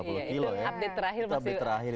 itu update terakhir